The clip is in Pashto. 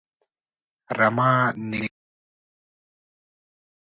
رمه نږدې څرېدله.